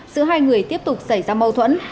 giữa hai người tiếp tục xảy ra mâu thuẫn